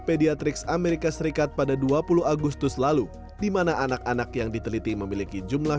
mediatrix amerika serikat pada dua puluh agustus lalu dimana anak anak yang diteliti memiliki jumlah